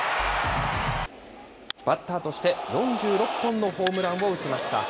バッターとして４６本のホームランを打ちました。